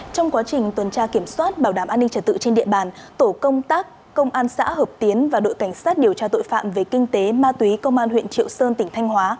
trong quá trình tuần tra kiểm soát bảo đảm an ninh trật tự trên địa bàn tổ công tác công an xã hợp tiến và đội cảnh sát điều tra tội phạm về kinh tế ma túy công an huyện triệu sơn tỉnh thanh hóa